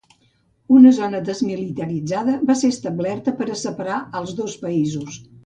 Una zona desmilitaritzada va ser establerta per a separar als dos països.